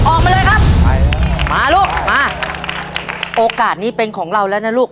ออกมาเลยครับมาลูกมาโอกาสนี้เป็นของเราแล้วนะลูก